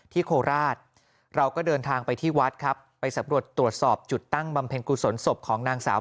โคราชเราก็เดินทางไปที่วัดครับไปสำรวจตรวจสอบจุดตั้งบำเพ็ญกุศลศพของนางสาว